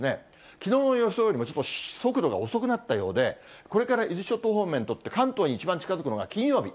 きのうの予想よりも少し速度が遅くなったようで、これから伊豆諸島方面を通って、関東に一番近づくのが金曜日。